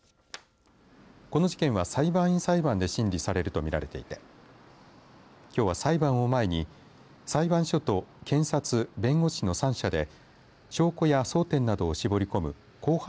この事件は裁判員裁判で審理されると見られていてきょうは裁判を前に裁判所と検察、弁護士の三者で証拠や争点などを絞り込む公判